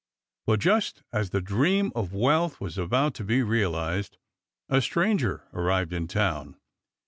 But just as the dream of wealth was about to be realized a stranger arrived in town.